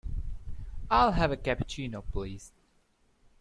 I'll have a cappuccino please.